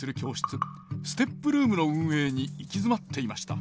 ＳＴＥＰルームの運営に行き詰まっていました。